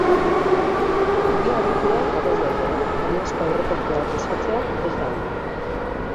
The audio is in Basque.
Bi adituak ados daude, iazko aurrekontuak luzatzea ez da ona.